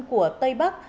của tây bắc